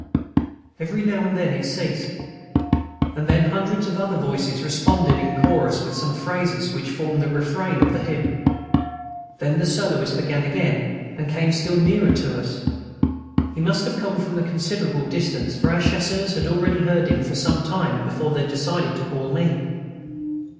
Every now and then it ceased, and then hundreds of other voices responded in chorus with some phrases which formed the refrain of the hymn. Then the soloist began again and came still nearer to us. He must have come from a considerable distance, for our Chasseurs had already heard him some time before they decided to call me.